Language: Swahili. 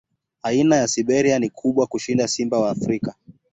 Aina ya Siberia ni kubwa kushinda simba wa Afrika.